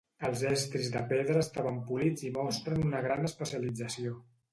Els estris de pedra estaven polits i mostren una gran especialització.